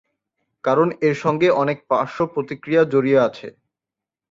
কারণ এর সঙ্গে অনেক পার্শ্বপ্রতিক্রিয়া জড়িয়ে আছে।